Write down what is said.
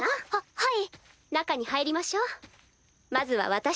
はい！